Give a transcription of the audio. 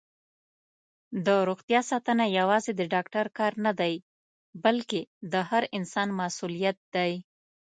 دروغتیا ساتنه یوازې د ډاکټر کار نه دی، بلکې د هر انسان مسؤلیت دی.